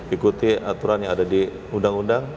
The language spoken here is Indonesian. ikuti aturan yang ada di undang undang